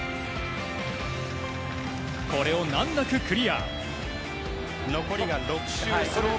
これを難なくクリア。